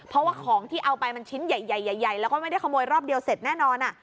เพราะว่าของที่เอาไปมันชิ้นใหญ่แล้วก็ไม่ได้ขโมยรอบเดียวเสร็จแน่นอน